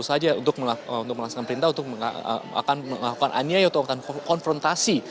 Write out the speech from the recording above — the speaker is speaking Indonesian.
saja untuk melaksanakan perintah untuk akan melakukan aniaya atau akan konfrontasi